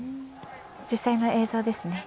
実際の映像ですね。